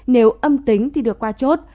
nếu âm tính thì được qua chốt